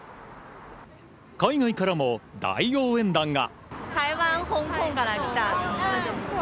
海外からも大応援団が。